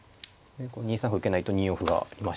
２三歩受けないと２四歩が来ましたので。